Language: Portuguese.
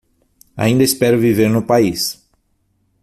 Ainda espero viver no país